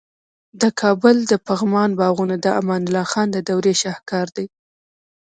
د کابل د پغمان باغونه د امان الله خان د دورې شاهکار دي